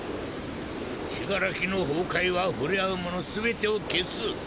死柄木の崩壊は触れ合うもの全てを消す！